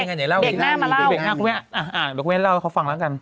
เดี๋ยวเบกหน้ามาเล่าครับครับคุณแม่อ่าอ่าลูกเว้นเล่าให้เขาฟังแล้วกัน